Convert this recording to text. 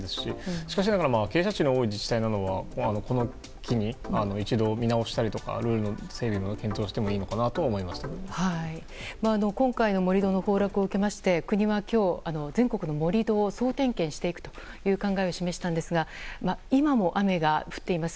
しかしながら傾斜地の多い自治体なのは、この機に一度、見直したりルールの整備も今回の盛り土の崩落を受けまして国は今日、全国の盛り土を総点検していくとしたんですが今も雨が降っています。